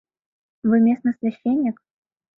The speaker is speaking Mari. — Вы местный священник?